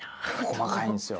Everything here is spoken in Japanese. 細かいんですよ。